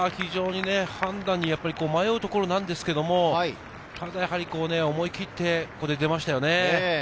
判断に迷うところなんですけど、思い切って出ましたよね。